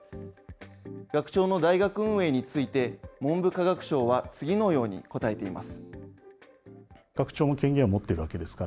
学長の大学運営について、文部科学省は次のように答えています。